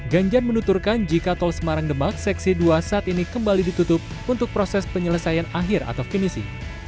ganjar menuturkan jika tol semarang demak seksi dua saat ini kembali ditutup untuk proses penyelesaian akhir atau finisi